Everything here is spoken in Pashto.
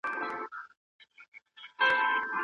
شدید میل د هورمونونو له بدلون سره تړاو نلري.